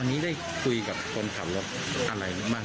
ทั้งที่รถยางแตกก็เลยเอกใจว่า